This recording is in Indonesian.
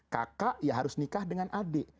kakak ya harus nikah dengan adik